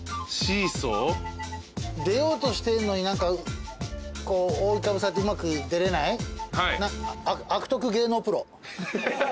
出ようとしてんのに何かこう覆いかぶさってうまく出れない？ハハハ。